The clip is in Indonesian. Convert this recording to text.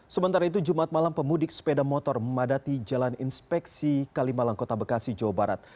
sementara itu jumat malam pemudik sepeda motor memadati jalan inspeksi kalimalang kota bekasi jawa barat